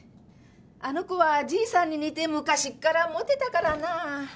あの子はじいさんに似て昔っからモテたからな。